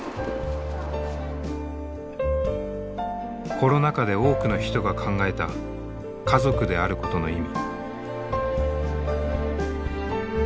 コロナ禍で多くの人が考えた家族であることの意味。